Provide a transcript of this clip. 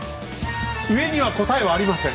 上には答えはありません。